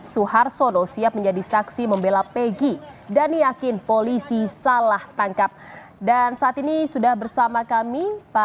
suhar sono mengaku dirinya dan pegi sedang membangun peristiwa